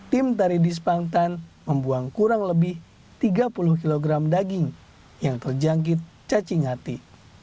tim taridis pangtan membuang kurang lebih tiga puluh kg daging yang terjangkit cacing hati